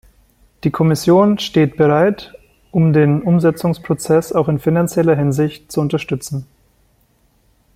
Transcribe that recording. Die Kommission steht bereit, um den Umsetzungsprozess auch in finanzieller Hinsicht zu unterstützen.